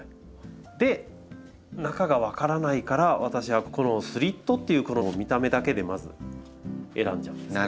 で中が分からないから私はこのスリットっていう見た目だけでまず選んじゃうんですけど。